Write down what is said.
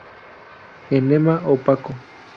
Enema opaco.